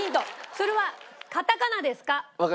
それはカタカナですか？